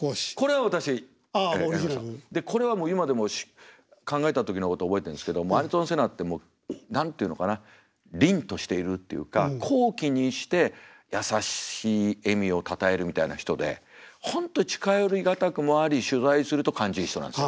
これはもう今でも考えた時のこと覚えてるんですけどアイルトン・セナってもう何て言うのかなりんとしているっていうか高貴にして優しい笑みをたたえるみたいな人で本当近寄りがたくもあり取材すると感じいい人なんですよ。